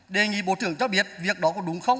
đề nghị bộ trưởng cho biết việc đó có đúng không